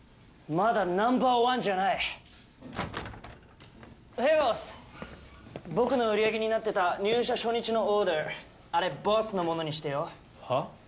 まだナンバー１じゃないヘイボス僕の売り上げになってた入社初日のオーダーあれボスのものにしてよはあ？